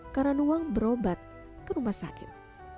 karanuang berobat ke rumah sakit